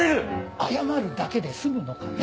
謝るだけで済むのかね？